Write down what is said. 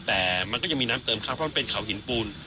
แต่มันก็ยังมีน้ำเติมเข้าเพราะมันเป็นเขาหินปูน